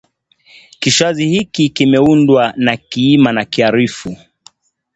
kishazi hiki kimeundwa na kiima na kiarifu